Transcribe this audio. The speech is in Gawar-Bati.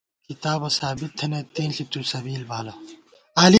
کتابہ ثابت تھنَئیت تېنݪی تُوسبیل بالہ